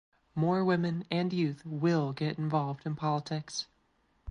More women and youth will get involved in politics.